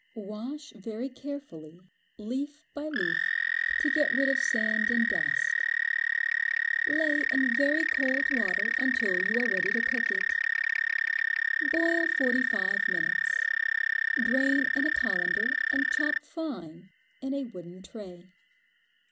Wash very carefully, leaf by leaf, to get rid of sand and dust. Lay in very cold water until you are ready to cook it. Boil forty five minutes; drain in a colander and chop fine in a wooden tray.